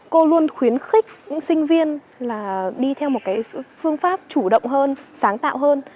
cô luôn khuyến khích những sinh viên là đi theo một cái phương pháp chủ động hơn sáng tạo hơn